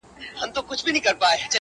o هلته د ژوند تر آخري سرحده ـ